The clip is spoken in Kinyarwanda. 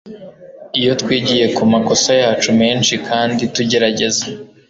iyo twigiye kumakosa yacu menshi kandi tugerageza